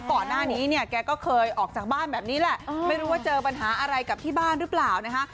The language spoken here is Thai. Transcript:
ก่อนหน้านี้เนี่ยแกก็เคยออกจากบ้านแบบนี้แหละไม่รู้ว่าเจอปัญหาอะไรกับที่บ้านหรือเปล่านะคะ